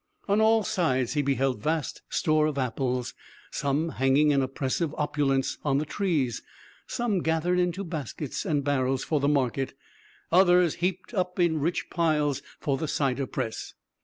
On all sides he beheld vast store of apples, some hanging in oppressive opulence on the trees, some gathered into baskets and barrels for the market, others heaped up in rich piles for the cider press.